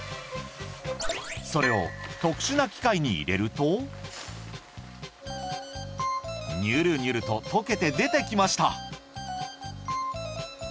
それを特殊な機械に入れるとニュルニュルと溶けて出てきました